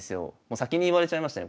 先に言われちゃいましたね。